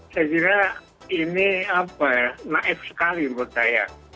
saya kira ini naif sekali menurut saya